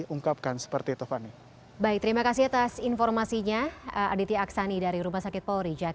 oke terima kasih